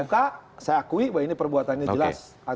mk saya akui bahwa ini perbuatannya jelas